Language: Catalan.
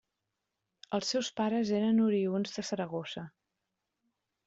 Els seus pares eren oriünds de Saragossa.